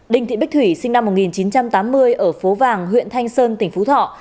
đình thị bích thủy sinh năm một nghìn chín trăm tám mươi ở phố vàng huyện thanh sơn tỉnh phú thọ